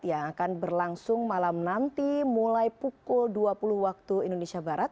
yang akan berlangsung malam nanti mulai pukul dua puluh waktu indonesia barat